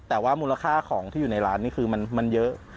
แต่ว่ามูลค่าของที่อยู่ในร้านนี่คือมันเยอะ